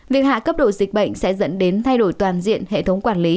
việc hạ cấp độ dịch bệnh sẽ dẫn đến thay đổi toàn diện hệ thống quản lý